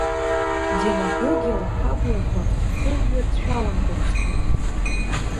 Демагогиала ҳаблақәа хыжәҩарц шәаламган сҳәеит.